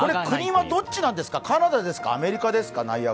国はどっちなんですか、カナダですか、アメリカですか？